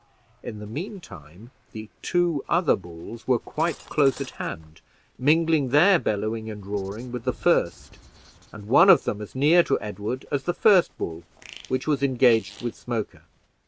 In the mean time, the two other bulls were quite close at hand, mingling their bellowing and roaring with the first; and one of them as near to Edward as the first bull, which was engaged with Smoker.